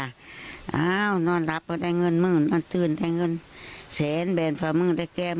อ้าวนอนรับก็ได้มื้อมาตื่นได้เงินแบบฝรั่งเมืองและแกง